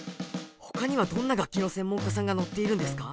他にはどんな楽器の専門家さんが乗っているんですか？